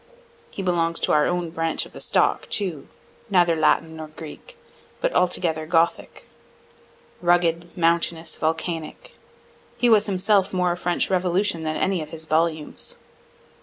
He belongs to our own branch of the stock too; neither Latin nor Greek, but altogether Gothic. Rugged, mountainous, volcanic, he was himself more a French revolution than any of his volumes.